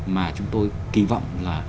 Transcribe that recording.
mà chúng tôi kỳ vọng là